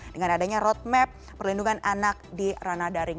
dengan adanya roadmap perlindungan anak di ranah daring